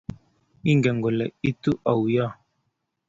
Ingen kole itu auyo?